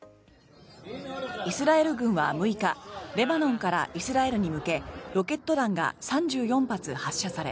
イスラエル軍は６日レバノンからイスラエルに向けロケット弾が３４発発射され